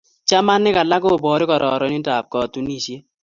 chamanik alak koporu kararanindap katunisiet